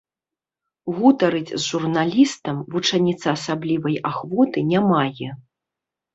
Гутарыць з журналістам вучаніца асаблівай ахвоты не мае.